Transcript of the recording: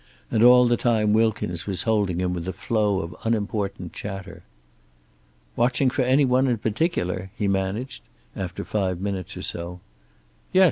And all the time Wilkins was holding him with a flow of unimportant chatter. "Watching for any one in particular?" he managed, after five minutes or so. "Yes.